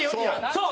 そう！